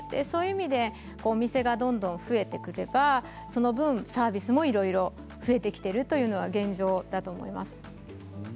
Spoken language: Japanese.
そういう意味でお店がどんどん増えてくればその分、サービスもいろいろ増えてきているというのは現状だと思います。